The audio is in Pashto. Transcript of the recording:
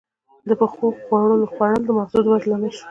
• د پخو خوړو خوړل د مغزو د ودې لامل شول.